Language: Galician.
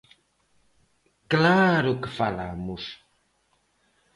¡Claro que falamos!